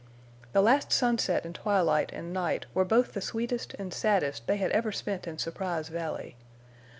The last sunset and twilight and night were both the sweetest and saddest they had ever spent in Surprise Valley.